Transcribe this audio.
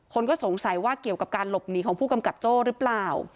คนก็สงสัยว่าเกี่ยวกับการหลบหนีของผู้กำกับโจ้หรือเปล่า